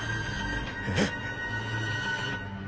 えっ！？